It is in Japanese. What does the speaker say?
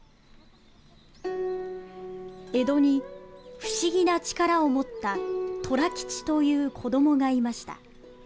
江戸に、不思議な力を持った寅吉という子どもがいました。